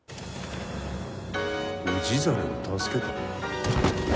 氏真を助けた？